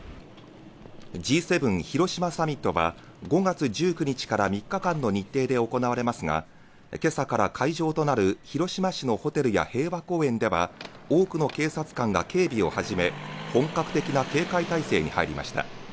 Ｇ７広島サミットは、５月１９日から３日間の日程で行われますが今朝から会場となる広島市のホテルや平和公園では、多くの警察官が警備をはじめ、本格的な警戒態勢に入りました。